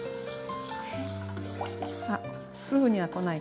あすぐには来ないかな？